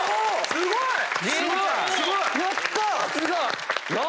すごいな。